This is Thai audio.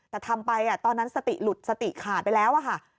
แต่ทำไปตอนนั้นสติหลุดสติขาดไปแล้วค่ะ